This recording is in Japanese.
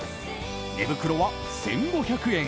寝袋は１５００円。